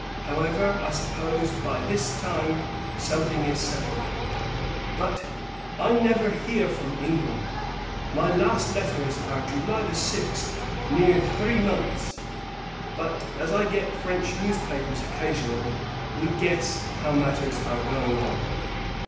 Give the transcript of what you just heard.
However, I suppose, by this time, something is settled; but, I never hear from England. My last letters are July 6th, near three months. But, as I get French newspapers occasionally, we guess how matters are going on.